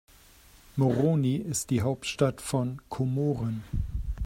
Moroni ist die Hauptstadt von Komoren.